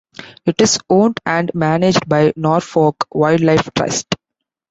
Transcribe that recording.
It is owned and managed by Norfolk Wildlife Trust.